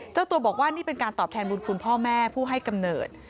เจ้าตัวบอกว่านี่เป็นการตอบแทนบุญคุณพ่อแม่ผู้ให้กำเนิด